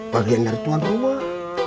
bagian dari tuan rumah